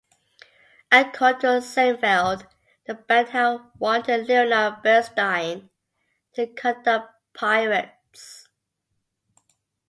According to Sinfeld, the band had wanted Leonard Bernstein to conduct "Pirates".